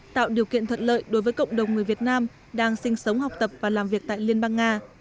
tạo điều kiện thuận lợi đối với cộng đồng người việt nam đang sinh sống học tập và làm việc tại liên bang nga